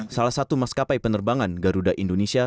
salah satu maskapai penerbangan garuda indonesia